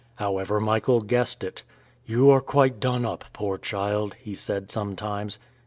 However, Michael guessed it. "You are quite done up, poor child," he said sometimes.